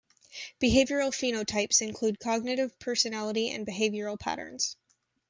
Behavioral phenotypes include cognitive, personality, and behavioral patterns.